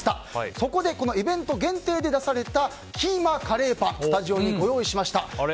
そこでイベント限定で出されたキーマカレーパンスタジオにご用意しました。